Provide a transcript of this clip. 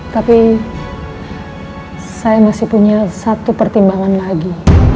tapi saya masih punya satu pertimbangan lagi